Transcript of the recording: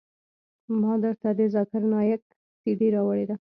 ما درته د ذاکر نايک سي ډي راوړې ده.